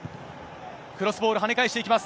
クロスボール、はね返していきます。